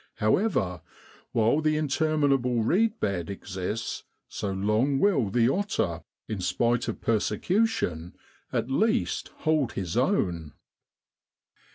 However, while the interminable reed bed exists, so long will the otter, in spite of persecu tion, at least hold his own.